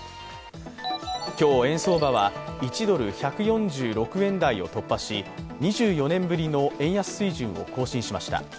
今日、円相場は１ドル＝１４６円台を突破し２４年ぶりの円安水準を更新しました。